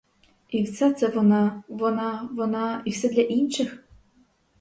І все це вона, вона, вона, і все для інших?